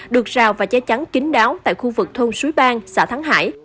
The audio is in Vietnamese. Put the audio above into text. được rào và cháy chắn kính đáo tại khu vực thôn sối bang xã thắng hải